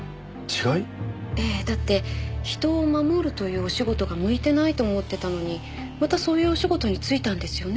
ええだって人を守るというお仕事が向いてないと思ってたのにまたそういうお仕事についたんですよね？